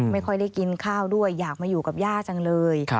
ไม่ค่อยได้กินข้าวด้วยอยากมาอยู่กับย่าจังเลย